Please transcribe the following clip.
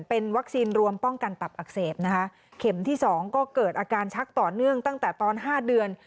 เป็นวัคซีนรวมป้องกันตับอักเสบนะคะเข็มที่สองก็เกิดอาการชักต่อเนื่องตั้งแต่ตอนห้าเดือน